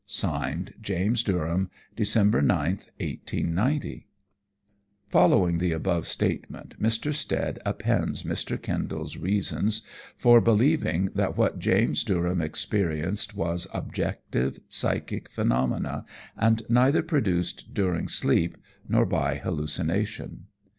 "(Signed) JAMES DURHAM. "Dec. 9th, 1890." Following the above statement Mr. Stead appends Mr. Kendall's reasons for believing that what James Durham experienced was objective psychic phenomena, and neither produced during sleep nor by hallucination.